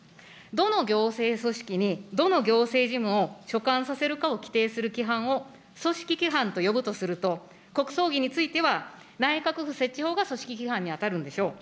どの行政組織に、どの行政事務を所管させるかを規定する規範を組織規範と呼ぶとすると、国葬儀については、内閣府設置法が組織規範に当たるんでしょう。